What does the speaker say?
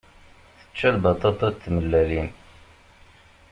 Tečča lbaṭaṭa d tmellalin.